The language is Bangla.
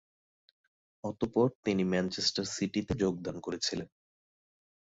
অতঃপর তিনি ম্যানচেস্টার সিটিতে যোগদান করেছিলেন।